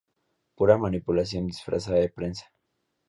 Pura manipulación disfrazada de prensa.